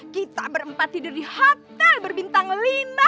kita berempat tidur di hotel berbintang lima